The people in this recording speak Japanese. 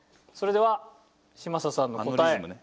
それでは嶋佐さんの答え